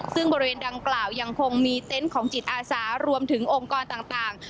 ซึ่งบริเวณดังกล่าวยังคงมีเต็นต์ของจิตอาสารวมถึงองค์กรต่าง